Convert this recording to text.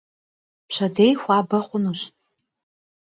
Pşedêy xuabe xhunuş.